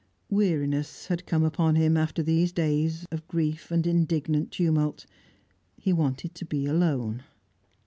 Weariness had come upon him after these days of grief and indignant tumult; he wanted to be alone.